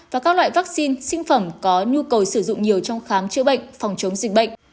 và các loại vaccine sinh phẩm có nhu cầu sử dụng nhiều trong khám chữa bệnh phòng chống dịch bệnh